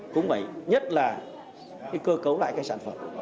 cũng phải nhất là cơ cấu lại cái sản phẩm